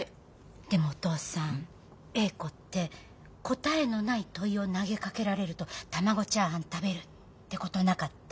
でもお父さん詠子って答えのない問いを投げかけられると卵チャーハン食べるってことなかった？